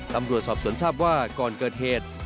ตำรวจสอบสวนทราบว่าก่อนเกิดเหตุ